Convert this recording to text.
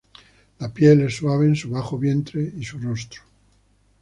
La piel es suave en su bajo vientre y su rostro.